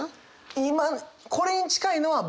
今これに近いのはライブ？